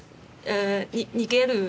逃げる。